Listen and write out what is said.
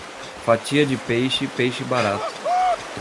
Fatia de peixe, peixe barato.